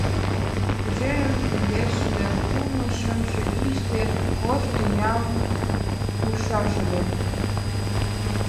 Тӱжем индешшӱдӧ кумло шымше ийыште ош тӱням ужшаш ыле.